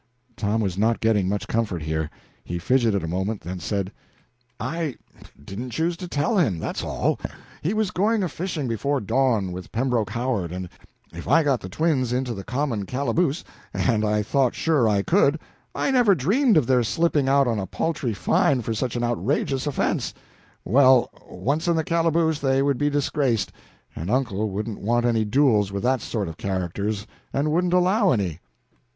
Tom was not getting much comfort here. He fidgeted a moment, then said: "I didn't choose to tell him that's all. He was going a fishing before dawn, with Pembroke Howard, and if I got the twins into the common calaboose and I thought sure I could I never dreamed of their slipping out on a paltry fine for such an outrageous offense well, once in the calaboose they would be disgraced, and uncle wouldn't want any duels with that sort of characters, and wouldn't allow any."